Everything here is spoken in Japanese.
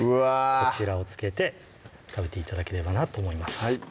こちらを付けて食べて頂ければなと思います